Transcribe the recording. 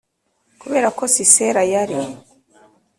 Kubera ko sisera yari